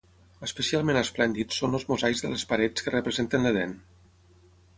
Especialment esplèndids són els mosaics de les parets que representen l'edèn.